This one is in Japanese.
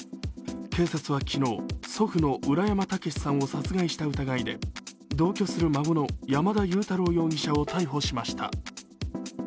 警察は昨日、祖父の浦山毅さんを殺害した疑いで同居する孫の山田悠太郎容疑者を逮捕しました。